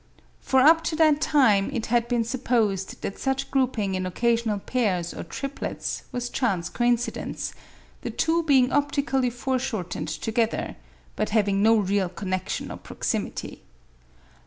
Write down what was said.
For up to that time it had been supposed that such grouping in occasional pairs or triplets was chance coincidence, the two being optically foreshortened together, but having no real connection or proximity.